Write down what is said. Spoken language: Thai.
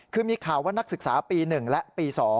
คือมีข่าวว่านักศึกษาปี๑และปี๒